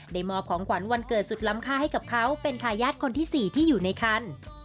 มอบของขวัญวันเกิดสุดล้ำค่าให้กับเขาเป็นทายาทคนที่๔ที่อยู่ในคัน